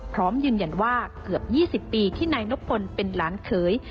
พร้อมยืนยันว่าเกือบ๒๐ปีที่นายนบพลเป็นหลานเขย